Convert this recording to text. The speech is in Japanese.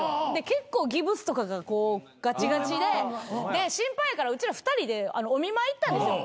結構ギプスとかがガチガチでで心配やからうちら２人でお見舞い行ったんですよ。